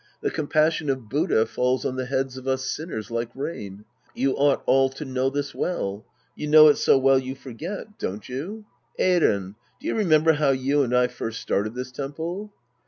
The compassion of Buddha falls on the heads of us sinners like rain. You ought all to Iciow this well. You know it so well you forget. Don't you ? Eiren, do you remem ber how you and I first started this temple